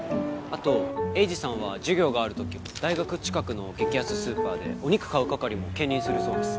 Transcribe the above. あと栄治さんは授業がある時大学近くの激安スーパーでお肉買う係も兼任するそうです